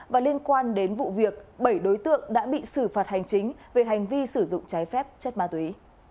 việc bảy đối tượng đã bị xử phạt hành chính về hành vi sử dụng trái phép chất ma túy